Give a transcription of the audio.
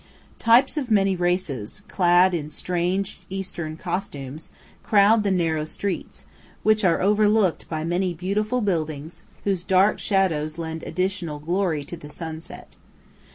Types of many races, clad in strange Eastern costumes, crowd the narrow streets, which are overlooked by many beautiful buildings whose dark shadows lend additional glory to the sunlight.